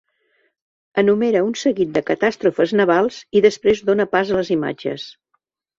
Enumera un seguit de catàstrofes navals i després dóna pas a les imatges.